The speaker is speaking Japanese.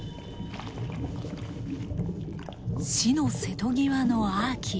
死の瀬戸際のアーキア。